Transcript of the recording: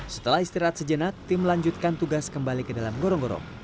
setelah istirahat sejenak tim melanjutkan tugas kembali ke dalam gorong gorong